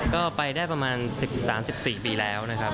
ก็ไปได้ประมาณ๓๔ปีแล้วนะครับ